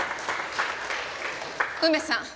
梅さん